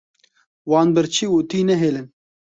Wan birçî û tî nehêlin.